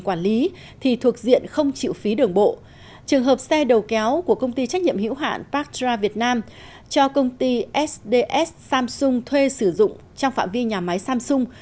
quản lý thì không chịu phí đường bộ trường hợp xe đầu kéo của công ty trách nhiệm hữu hạn parkra việt nam cho công ty sds samsung thuê sử dụng trong phạm vi nhà máy samsung